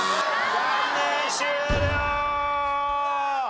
残念終了！